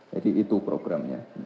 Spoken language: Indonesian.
jadi itu programnya